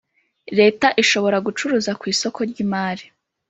Leta ishobora gucuruza ku isoko ry imari